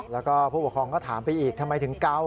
แล้วก็ผู้ปกครองก็ถามไปอีกทำไมถึงเกา